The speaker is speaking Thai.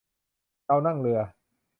เรานั่งเรือ